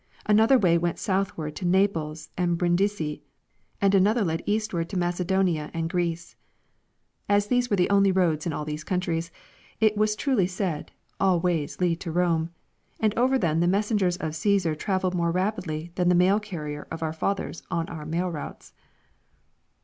Another way went southward to Naples and Brindisi, and another led eastward to Macedonia and Greece. As these were the only roads in all these countries, it was truly said, "All ways lead to Rome ;" and over them the messengers of Csesar travelled more rapidly than the mail carrier of our fathers on our mail routes.